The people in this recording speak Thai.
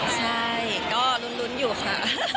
ใช่ก็รุ้นโน้อยอยู่ค่ะ